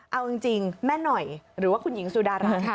เอาจริงแม่หน่อยหรือว่าคุณหญิงสุดารัฐ